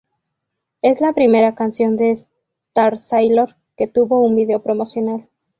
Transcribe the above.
Es la primera canción de Starsailor que tuvo un video promocional.